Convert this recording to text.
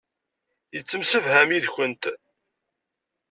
Yettemsefham yid-kent.